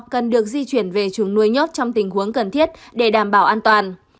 cần được di chuyển về chuồng nuôi nhốt trong tình huống cần thiết để đảm bảo an toàn